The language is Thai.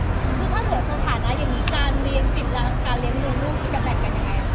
คือถ้าเหลือสถานะอย่างนี้การเลี้ยงสิทธิ์และการเลี้ยงลูกมันก็แปลกเป็นยังไง